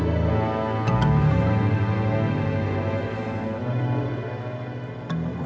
semua kala kainnya mereka akan memanfaatkan tangal yemeknya dan hidungnya